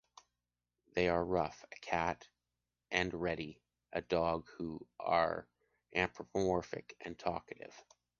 They are Ruff, a cat, and Reddy, a dog, who are anthropomorphic and talkative.